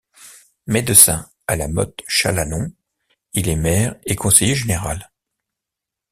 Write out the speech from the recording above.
Médecin à la Motte-Chalanon, il est maire et conseiller général.